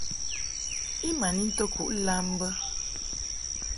I ma n into kuʼ lam I bə.